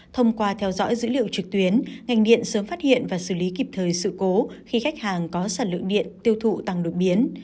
thông qua theo dõi dữ liệu trực tuyến ngành điện sớm phát hiện và xử lý kịp thời sự cố khi khách hàng có sản lượng điện tiêu thụ tăng đột biến